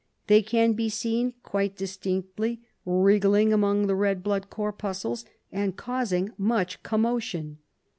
They can be seen quite distinctly, wriggling among the red blood corpuscles and causing much commotion.